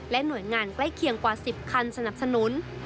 หน่วยงานใกล้เคียงกว่า๑๐คันสนับสนุน